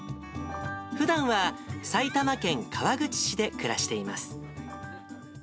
ふだんは埼玉県川口市で暮らしています。